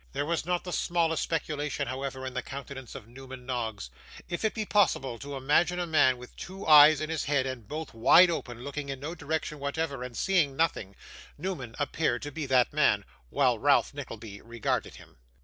There was not the smallest speculation, however, in the countenance of Newman Noggs. If it be possible to imagine a man, with two eyes in his head, and both wide open, looking in no direction whatever, and seeing nothing, Newman appeared to be that man while Ralph Nickleby regarded him.